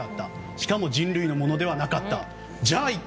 しかも人類のものではなかった。